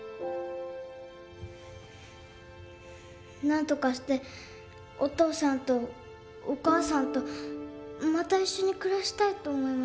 なんとかしてお父さんとお母さんとまた一緒に暮らしたいと思いました。